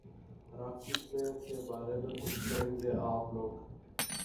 راکی Flair کے بارے میں کچھ کریں گے آپ لوگ